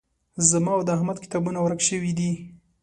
زما او د احمد کتابونه ورک شوي دي